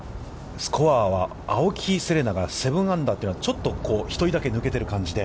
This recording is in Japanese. スコアは青木瀬令奈が７アンダーというのは、１人だけ抜けている感じで。